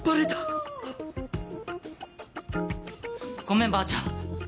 ⁉ごめんばあちゃん！